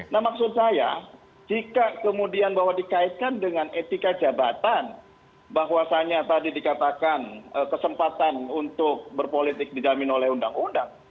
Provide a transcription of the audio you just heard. nah maksud saya jika kemudian bahwa dikaitkan dengan etika jabatan bahwasannya tadi dikatakan kesempatan untuk berpolitik dijamin oleh undang undang